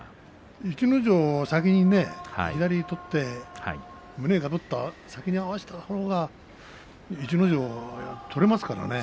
逸ノ城、先に左取って胸を先に合わせたほうが逸ノ城は取れますからね。